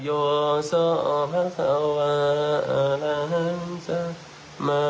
โยสภศวอลัฮันสมม